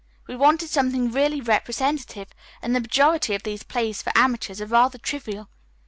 We wanted something really representative, and the majority of these plays for amateurs are rather trivial.